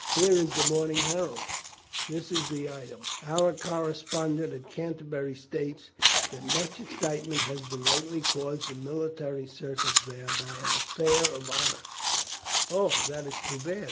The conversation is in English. Here is the Morning Herald. This is the item: 'Our correspondent at Canterbury states that much excitement has been lately caused in military circles there by an affair of honour '" "Oh, that is too bad!"